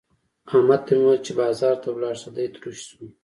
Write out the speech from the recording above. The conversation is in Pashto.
احمد ته مې وويل چې بازار ته ولاړ شه؛ دی تروش شو.